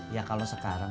ya kalau sekarang